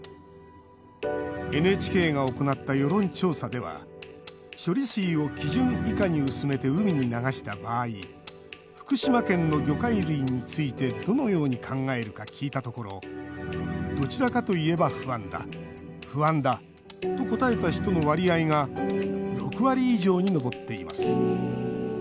ＮＨＫが行った世論調査では処理水を基準以下に薄めて海に流した場合福島県の魚介類についてどのように考えるか聞いたところ「どちらかといえば不安だ」「不安だ」と答えた人の割合が６割以上に上っています。